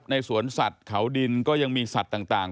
สวนสัตว์เขาดินก็ยังมีสัตว์ต่าง